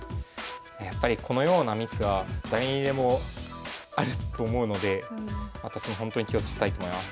やっぱりこのようなミスは誰にでもあると思うので私もほんとに気をつけたいと思います。